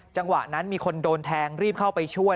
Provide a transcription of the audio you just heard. จังหวะนั้นมีคนโดนแทงรีบเข้าไปช่วย